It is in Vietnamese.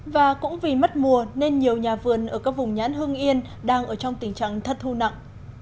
và cũng vì mất mùa nên nhiều nhà vườn ở các vùng nhãn hương yên đang ở trong tình trạng thất thu nặng